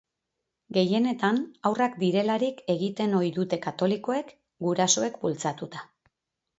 Gehienetan haurrak direlarik egiten ohi dute katolikoek, gurasoek bultzatuta.